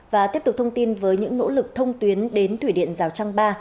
và tiếp tục thông tin với những nỗ lực thông tuyến đến thủy điện giáo trang ba